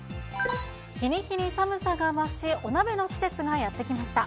日に日に寒さが増し、お鍋の季節がやってきました。